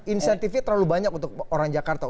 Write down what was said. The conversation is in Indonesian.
insentifnya terlalu banyak untuk orang jakarta